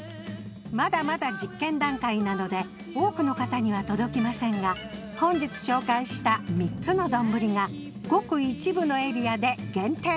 まだまだ実験段階なので多くの方には届きませんが本日紹介した３つの丼がごく一部のエリアで限定